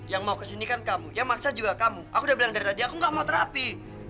yang mau kesini kan kamu yang maksa juga kamu aku udah bilang dari tadi aku gak mau terapi